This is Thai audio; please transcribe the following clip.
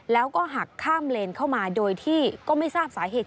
แล้วก็หักข้ามเลนเข้ามาโดยที่ก็ไม่ทราบสาเหตุ